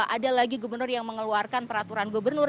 ada lagi gubernur yang mengeluarkan peraturan gubernur